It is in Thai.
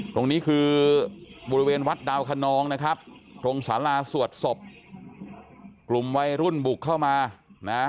ตรงนี้คือบริเวณวัดดาวคนนองนะครับตรงสาราสวดศพกลุ่มวัยรุ่นบุกเข้ามานะ